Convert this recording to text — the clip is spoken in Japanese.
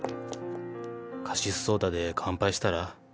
カシスソーダで乾杯したら。